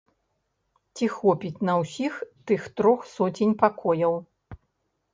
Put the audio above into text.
Ці хопіць на ўсіх тых трох соцень пакояў.